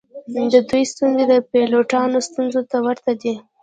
د دوی ستونزې د پیلوټانو ستونزو ته ورته دي